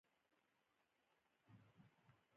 پۀ سايکو پېت يا بې رحمه خلکو درې غټې درجه بندۍ وي